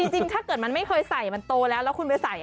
จริงถ้าเกิดมันไม่เคยใส่มันโตแล้วแล้วคุณไปใส่